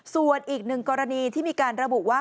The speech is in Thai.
ส่วนอีกหนึ่งกรณีที่มีการระบุว่า